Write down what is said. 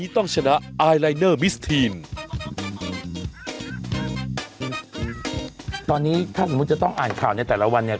ตอนนี้ถ้าสมมุติจะต้องอ่านข่าวในแต่ละวันเนี่ย